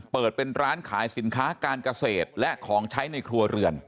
เปิดเป็นร้านขายสินค้าการเกษตรและของใช้ในครัวเรือน